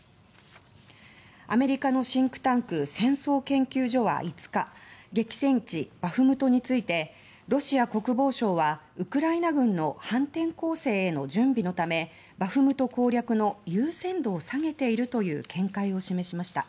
アメリカのシンクタンク戦争研究所は５日激戦地バフムトについてロシア国防省はウクライナ軍の反転攻勢への準備のためバフムト攻略の優先度を下げているという見解を示しました。